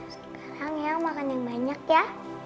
sekarang ya makan yang banyak ya